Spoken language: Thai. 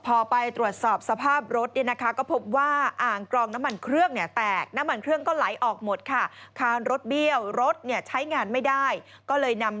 พอไปตรวจสอบสภาพรถอ่างกร่องน้ำมันเครืองเนี่ยแตก